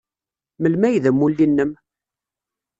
Melmi ay d amulli-nnem?